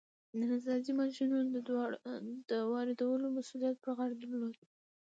د نساجۍ ماشینونو د واردولو مسوولیت پر غاړه درلود.